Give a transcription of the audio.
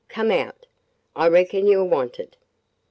Come out! I reckon you 're wanted."